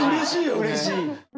うれしい。